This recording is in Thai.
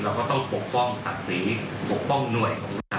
ก็ต้องปกป้องศักดิ์ศรีปกป้องหน่วยของเรา